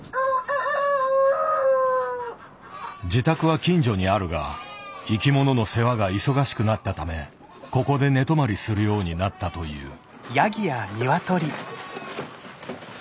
自宅は近所にあるが生き物の世話が忙しくなったためここで寝泊まりするようになったという。